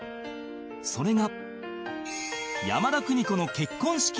それが